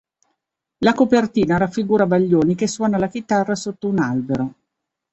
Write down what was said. La copertina raffigura Baglioni che suona la chitarra sotto un albero.